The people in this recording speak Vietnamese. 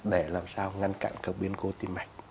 để làm sao ngăn cạn cơ biến cố tim mạch